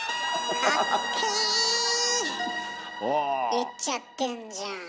言っちゃってんじゃん。